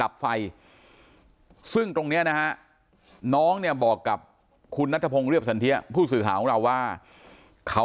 คุณนัทพงษ์เลี่ยบสันเทียภูติสื่อหา